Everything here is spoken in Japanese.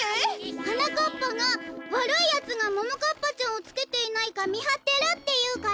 はなかっぱがわるいやつがももかっぱちゃんをつけていないかみはってるっていうから。